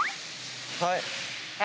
はい。